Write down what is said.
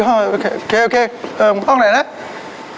ไม่ต้องกลับมาที่นี่